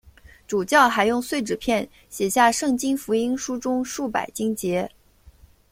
主教还用碎纸片写下圣经福音书中数百经节。